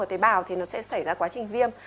tế bào thì nó sẽ xảy ra quá trình viêm